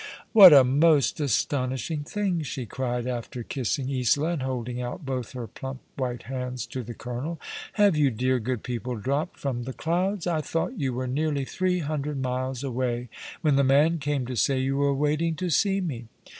" What a most astonishing thing !" she cried, after kissing Isola, and holding out both her plump, white hands to the colonel. "Have you dear, good people dropped from the clouds? I thought you were nearly three hundred miles away when the man came to say you were waiting to see me.